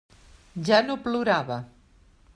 Ja no plorava.